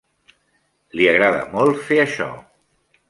Li agrada molt fer això.